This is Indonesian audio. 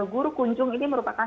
guru kunjung ini merupakan